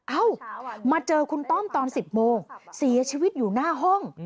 เอ้ามาเจอคุณต้อมตอน๑๐โมงเสียชีวิตอยู่หน้าห้อง